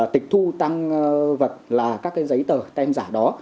tịch thu tăng vật là các cái giấy tờ tem giả đó